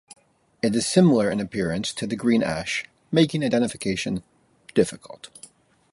It is similar in appearance to the Green Ash, making identification difficult.